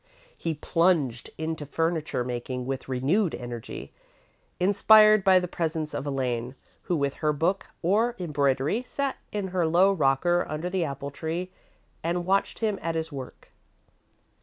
He plunged into furniture making with renewed energy, inspired by the presence of Elaine, who with her book or embroidery sat in her low rocker under the apple tree and watched him at his work.